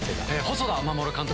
細田守監督